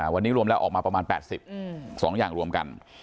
วันนี้รวมแล้วออกมาประมาณ๘๐๒อย่างรวมกัน